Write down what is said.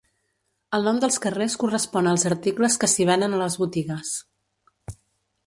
El nom dels carrers correspon als articles que s'hi venen a les botigues.